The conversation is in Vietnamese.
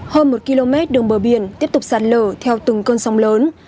hơn một km đường bờ biển tiếp tục sạt lở theo từng cơn sóng lớn